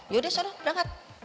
yaudah sudah berangkat